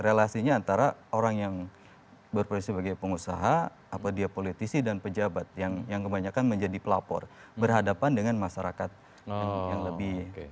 relasinya antara orang yang berprofesi sebagai pengusaha apa dia politisi dan pejabat yang kebanyakan menjadi pelapor berhadapan dengan masyarakat yang lebih